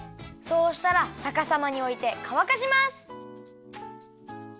そうしたらさかさまにおいてかわかします。